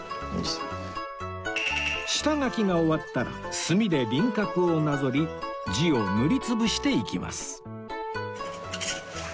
下書きが終わったら墨で輪郭をなぞり字を塗り潰していきます